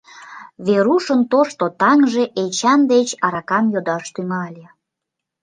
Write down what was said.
Верушын тошто таҥже Эчан деч аракам йодаш тӱҥале.